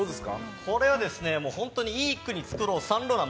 これは本当にいい国作ろうサンローラン。